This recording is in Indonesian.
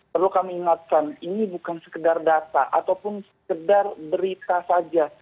perlu kami ingatkan ini bukan sekedar data ataupun sekedar berita saja